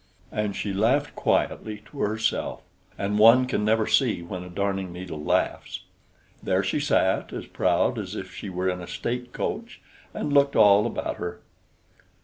And she laughed quietly to herself and one can never see when a darning needle laughs. There she sat, as proud as if she were in a state coach, and looked all about her.